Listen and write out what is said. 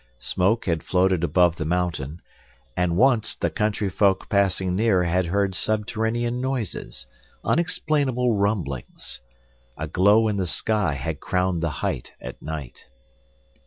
Smoke had floated above the mountain and once the country folk passing near had heard subterranean noises, unexplainable rumblings. A glow in the sky had crowned the height at night.